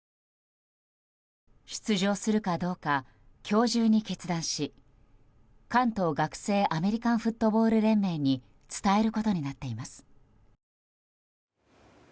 出場するかどうか今日中に決断し関東学生アメリカンフットボール連盟に伝えることになっています。